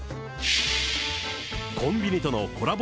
コンビニとのコラボ